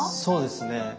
そうですね。